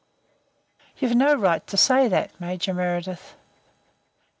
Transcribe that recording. "You've no right to say that, Major Meredyth."